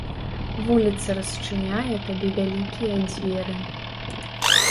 Вуліца расчыняе табе вялікія дзверы.